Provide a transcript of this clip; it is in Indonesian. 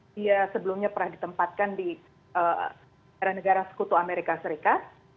dia sebelumnya pernah ditempatkan di negara negara sekutu amerika serikat